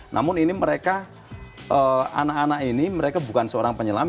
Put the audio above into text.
namun ini mereka anak anak ini mereka bukan seorang penyelam